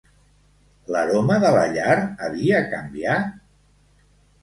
L'aroma de la llar havia canviat?